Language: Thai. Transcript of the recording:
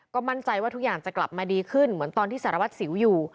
ก็มั่นใจว่าทุกอย่างจะกลับมาดีขึ้นเหมือนตอนที่สารวัตรสิวอยู่